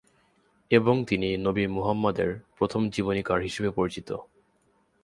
এবং তিনি নবী মুহাম্মাদের প্রথম জীবনীকার হিসেবে পরিচিত।